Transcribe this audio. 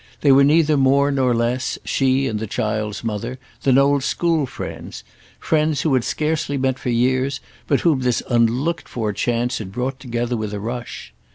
They were neither more nor less, she and the child's mother, than old school friends—friends who had scarcely met for years but whom this unlooked for chance had brought together with a rush.